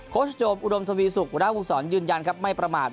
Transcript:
โค้ชโดมอุดมทวีสุขฟุตซอลยืนยันครับไม่ประมาท